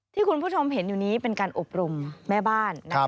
ที่คุณผู้ชมเห็นอยู่นี้เป็นการอบรมแม่บ้าน